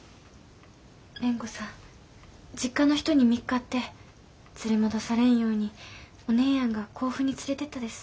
蓮子さん実家の人に見っかって連れ戻されんようにお姉やんが甲府に連れてったです。